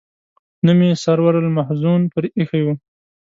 نوم یې سرور المحزون پر ایښی و.